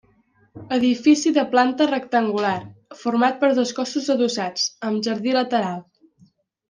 Edifici de planta rectangular, format per dos cossos adossats, amb jardí lateral.